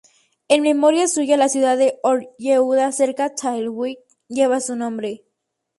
En memoria suya, la ciudad de Or Yehuda, cercana a Tel-Aviv, lleva su nombre.